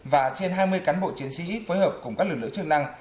và trên hai mươi cán bộ chiến sĩ phối hợp cùng các lực lượng chức năng